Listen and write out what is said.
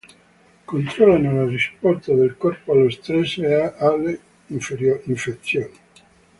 Controllano la risposta del corpo allo stress e alle infezioni.